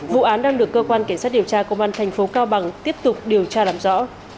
vụ án đang được cơ quan cảnh sát điều tra công an thành phố cao bằng tiếp tục điều tra làm rõ